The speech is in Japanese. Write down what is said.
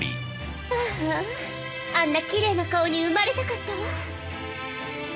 あああんなきれいな顔に生まれたかったわ。